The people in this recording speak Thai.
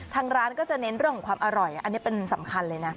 ทางร้านก็จะเน้นเรื่องของความอร่อยอันนี้เป็นสำคัญเลยนะ